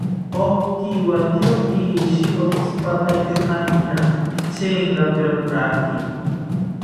Okiwakiro ishi otzipatakiro ana, chengaperotaki